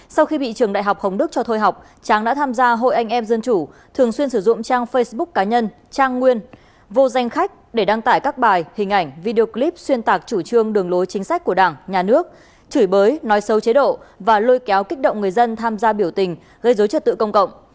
sau khi bị trường đại học hồng đức cho thôi học tráng đã tham gia hội anh em dân chủ thường xuyên sử dụng trang facebook cá nhân trang nguyên vô danh khách để đăng tải các bài hình ảnh video clip xuyên tạc chủ trương đường lối chính sách của đảng nhà nước chửi bới nói xấu chế độ và lôi kéo kích động người dân tham gia biểu tình gây dối trật tự công cộng